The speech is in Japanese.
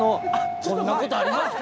こんなことありますか？